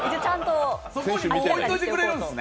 そこに置いていてくれるんですね？